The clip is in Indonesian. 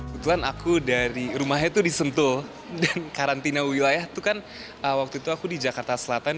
kebetulan aku dari rumahnya itu di sentul dan karantina wilayah itu kan waktu itu aku di jakarta selatan